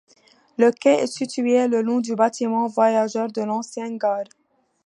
Le quai est située le long du bâtiment voyageurs de l’ancienne gare.